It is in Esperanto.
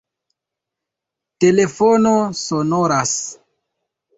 Telefono sonoras